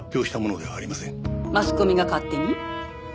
マスコミが勝手に？